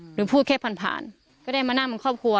หรือพูดแค่ผ่านก็ได้มานั่งเหมือนครอบครัว